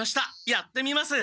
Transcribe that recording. やってみます！